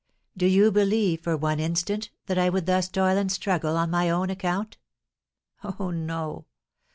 Do you believe for one instant that I would thus toil and struggle on my own account? Oh, no!